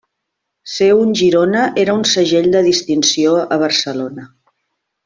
Ser un Girona era un segell de distinció a Barcelona.